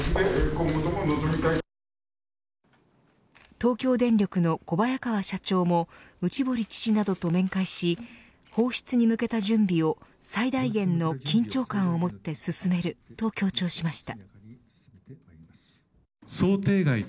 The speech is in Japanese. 東京電力の小早川社長も内堀知事などと面会し放出に向けた準備を最大限の緊張感をもって進めると強調しました。